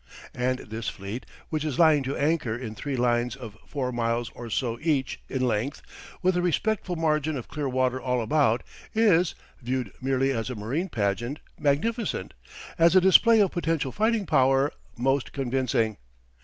And this fleet, which is lying to anchor in three lines of four miles or so each in length, with a respectful margin of clear water all about, is, viewed merely as a marine pageant, magnificent; as a display of potential fighting power, most convincing.